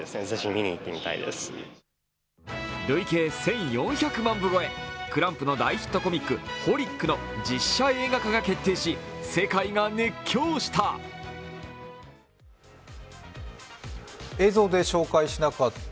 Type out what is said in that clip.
累計１４００万部超え、ＣＬＡＭＰの大ヒットコミック「ｘｘｘＨＯＬｉＣ」の実写映画化が決定し、世界が熱狂した。